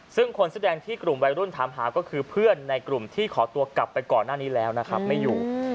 ซึ่งคนเสื้อแดงที่กลุ่มวัยรุ่นถามหาก็คือเพื่อนในกลุ่มที่ขอตัวกลับไปก่อนหน้านี้แล้วนะครับไม่อยู่